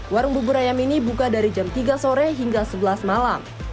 warung bubur ayam ini buka dari jam tiga sore hingga sebelas malam